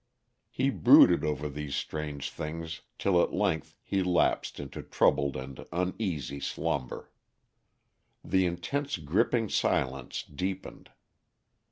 He brooded over these strange things till at length he lapsed into troubled and uneasy slumber. The intense gripping silence deepened.